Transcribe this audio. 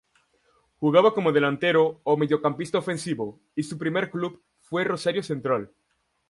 Jugaba como delantero o mediocampista ofensivo y su primer club fue Rosario Central.